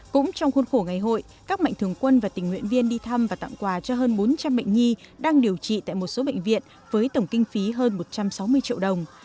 cũng trong khuôn khổ ngày hội các mạnh thường quân và tình nguyện viên đi thăm và tặng quà cho hơn bốn trăm linh bệnh nhi đang điều trị tại một số bệnh viện với tổng kinh phí hơn một trăm sáu mươi triệu đồng